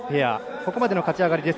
ここまでの勝ち上がりです。